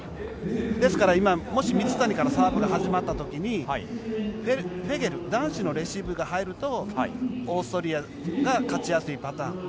ですからもし水谷からサーブが始まった時にフェゲル男子のレシーブが入るとオーストリアが勝ちやすいパターン。